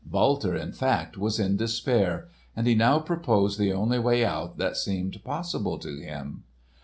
Walter, in fact, was in despair and he now proposed the only way out that seemed possible to him.